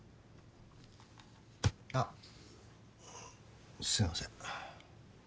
あっすいません。